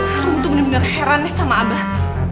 harum tuh bener bener heran sama abah